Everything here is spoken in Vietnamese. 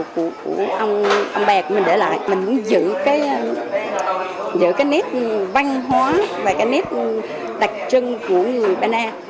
của ông bè của mình để lại mình muốn giữ cái nét văn hóa và cái nét đặc trưng của người bà na